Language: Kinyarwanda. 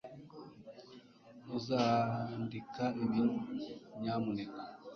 Uzandika ibi nyamuneka